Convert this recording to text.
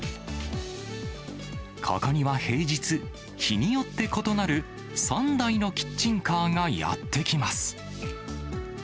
ここには平日、日によって異なる３台のキッチンカーがやって来ます。